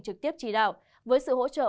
trực tiếp chỉ đạo với sự hỗ trợ